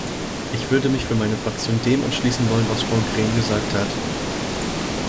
Ich würde mich für meine Fraktion dem anschließen wollen, was Frau Green gesagt hat.